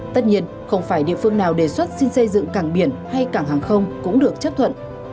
tất nhiên không phải địa phương nào đề xuất xin xây dựng cảng biển hay cảng hàng không cũng được chấp thuận